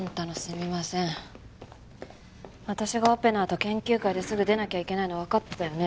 私がオペのあと研究会ですぐ出なきゃいけないのわかってたよね？